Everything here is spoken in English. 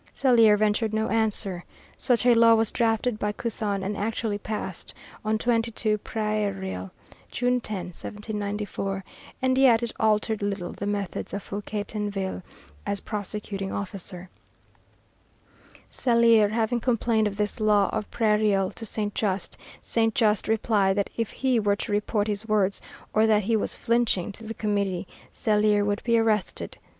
Scellier ventured no answer. Such a law was drafted by Couthon and actually passed on 22 Prairial (June 10, 1794), and yet it altered little the methods of Fouquier Tinville as prosecuting officer. Scellier having complained of this law of Prairial to Saint Just, Saint Just replied that if he were to report his words, or that he was flinching, to the Committee, Scellier would be arrested.